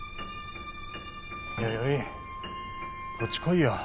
弥生こっち来いよ。